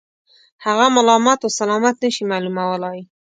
هغه ملامت و سلامت نه شي معلومولای.